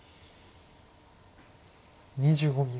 ２５秒。